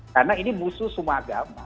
karena ini musuh semua agama